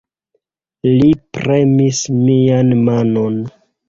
Li premis mian manon.